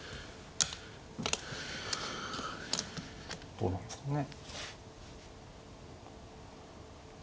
どうなんですかね。